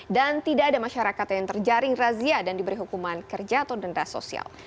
dan tidak ada masyarakat yang terjaring razia dan diberi hukuman kerja atau dendas sosial